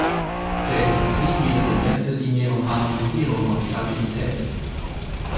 Der Industrie geht es in erster Linie um Harmonisierung und Stabilität.